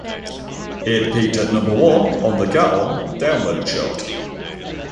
It peaked at number one on the Gaon Download Chart.